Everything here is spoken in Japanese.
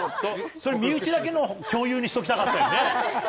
それ、身内だけの共有にしときたかったよね。